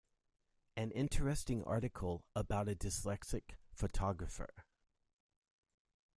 An interesting article about a dyslexic photographer.